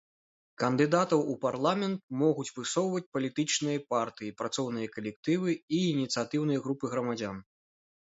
Кандыдатаў у парламент могуць высоўваць палітычныя партыі, працоўныя калектывы і ініцыятыўныя групы грамадзян.